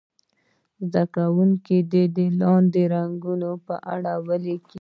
زده کوونکي دې د لاندې رنګونو په اړه ولیکي.